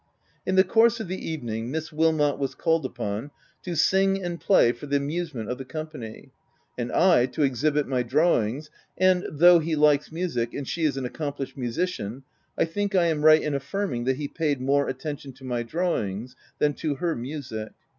In the course of the evening, Miss Wilmot was called upon to sing and play for the amuse ment of the company, and I to exhibit my drawings, and, though he likes music, and she is an accomplished musician, I think I am right in affirming that he paid more attention to my drawings than to her music.